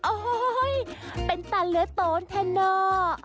โอ๊ยเป็นตันเลือดโตนแทนเนอะ